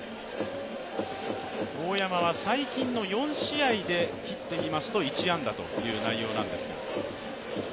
大山は最近の４試合で切って見ますと１安打という内容なんですが。